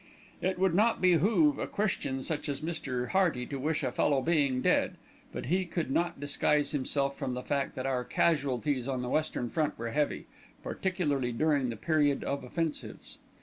It would not behove a Christian such as Mr. Hearty to wish a fellow being dead; but he could not disguise from himself the fact that our casualties on the Western Front were heavy, particularly during the period of offensives.